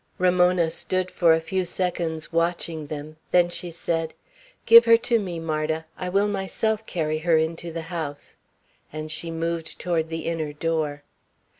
Ramona stood for a few seconds watching them; then she said, "Give her to me, Marda. I will myself carry her into the house;" and she moved toward the inner door.